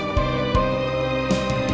jangan lupa untuk mencoba